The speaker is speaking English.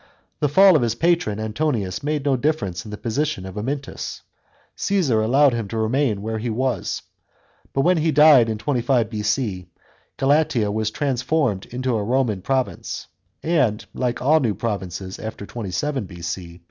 The fall of his patron Antonius made no difference in the position of Amyntas; Caesar allowed him to remain where he was. But when he died, in 25 B.C., r, Galatia was transformed into a Roman province, and (like all new provinces after 27 B.C.)